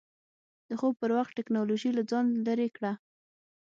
د خوب پر وخت ټېکنالوژي له ځان لرې کړه.